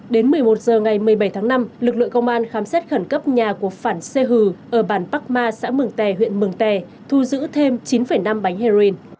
đến một mươi một h ngày một mươi bảy tháng năm lực lượng công an khám xét khẩn cấp nhà của phản xê hừ ở bản park ma xã mường tè huyện mường tè thu giữ thêm chín năm bánh heroin